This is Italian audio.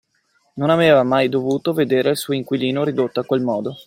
Non aveva mai dovuto vedere il suo inquilino ridotto a quel modo